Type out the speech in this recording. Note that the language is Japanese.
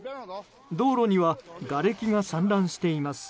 道路にはがれきが散乱しています。